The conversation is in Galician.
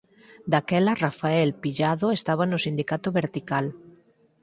Daquela Rafael Pillado estaba no Sindicato Vertical.